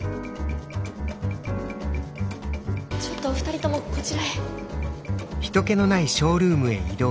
ちょっとお二人ともこちらへ。